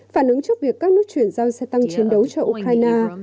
phản ứng trước việc các nước chuyển giao xe tăng chiến đấu cho ukraine